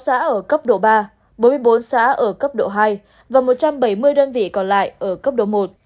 xã ở cấp độ ba bốn mươi bốn xã ở cấp độ hai và một trăm bảy mươi đơn vị còn lại ở cấp độ một